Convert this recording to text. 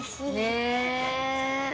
ねえ。